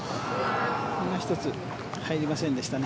いま一つ入りませんでしたね。